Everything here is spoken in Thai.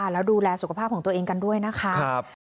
แล้วดูแลสุขภาพของตัวเองกันด้วยนะคะ